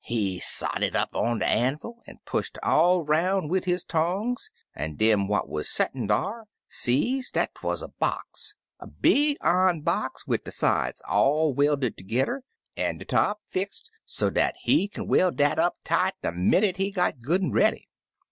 He sot it up on de anvil an' pushed all 'roun' wid his tongs, an' dem what wuz settin' dar sees dat 'twuz a box — a big i'on box wid de sides all welted ter gedder, an' de top fixt so dat he kin welt dat up tight de minnit he got good an' ready.